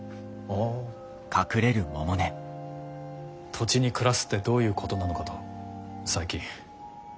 土地に暮らすってどういうことなのかと最近。